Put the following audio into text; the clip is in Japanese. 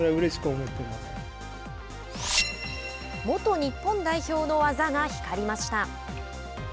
元日本代表の技が光りました。